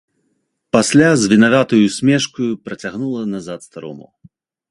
Пасля з вінаватаю ўсмешкаю працягнула назад старому.